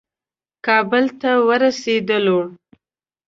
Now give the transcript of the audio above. کابل ته ورسېدلو.